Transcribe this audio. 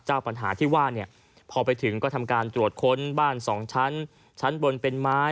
ปัญหาที่ว่าเนี่ยพอไปถึงก็ทำการตรวจค้นบ้านสองชั้นชั้นบนเป็นไม้